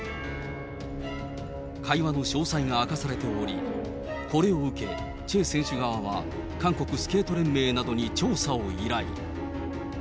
会話の詳細が明かされており、これを受け、チェ選手側は韓国スケート連盟などに調査を依頼。